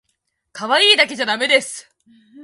かわいいだけじゃだめです